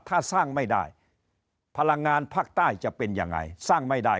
ถ้าสร้างไม่ได้พลังงานภาคใต้จะเป็นยังไงสร้างไม่ได้